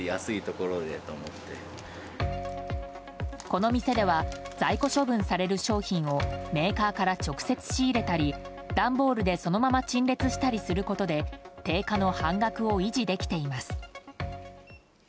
この店では在庫処分される商品をメーカーから直接仕入れたり段ボールでそのまま陳列したりすることで定価の半額を維持できています。